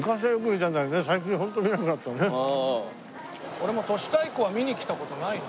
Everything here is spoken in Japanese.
俺も都市対抗は見に来た事ないな。